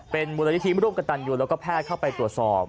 เป็นมูลยธีมรูปกระตันอยู่แล้วก็แพทย์เข้าไปตรวจสอบ